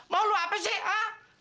mau lu apa sih ha